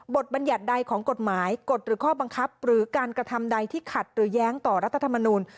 บัญญัติใดของกฎหมายกฎหรือข้อบังคับหรือการกระทำใดที่ขัดหรือแย้งต่อรัฐธรรมนูล